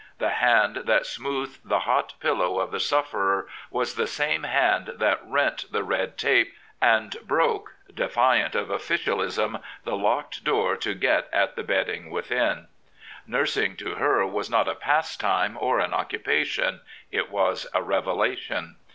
The hand that smoothed the hot pillow of the sufferer was the same hand that rent the red tape and broke, defiant of officialism, the locked door to get at the 118 Florence Nightingale bedding within. Nursing to her was not a pastime or an occupation: it was a revelation.